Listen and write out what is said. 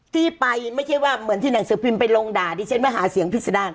ที่ไปไม่ใช่ว่าเหมือนที่หนังสือพิมพ์ไปลงด่าดิฉันไม่หาเสียงพิษดาร